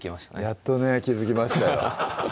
やっとね気付きましたよ